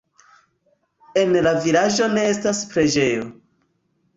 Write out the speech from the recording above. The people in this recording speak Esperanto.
En la vilaĝo ne estas preĝejo.